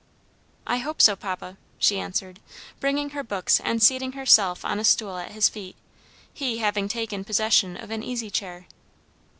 "I hope so, papa," she answered, bringing her books and seating herself on a stool at his feet, he having taken possession of an easy chair.